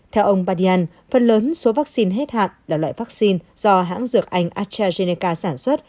theo ông badian phần lớn số vaccine hết hạn là loại vaccine do hãng dược anh astrazeneca sản xuất